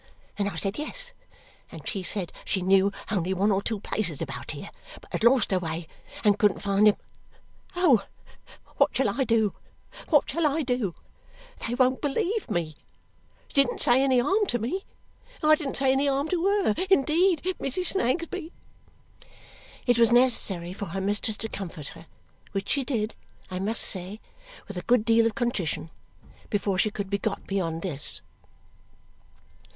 And I said yes, and she said she knew only one or two places about here, but had lost her way and couldn't find them. Oh, what shall I do, what shall I do! They won't believe me! She didn't say any harm to me, and I didn't say any harm to her, indeed, Mrs. Snagsby!" It was necessary for her mistress to comfort her which she did, I must say, with a good deal of contrition before she could be got beyond this.